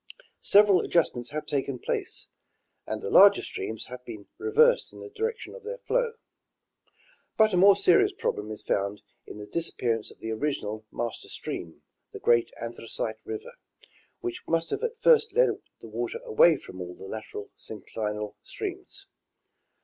Several adjustments have taken place, and the larger streams have been reversed in the direction of their flow ; but a more serious problem is found in the disappearance of the original master stream, the great Anthracite river, which must have at first led away the water from all the lateral synclinal streams.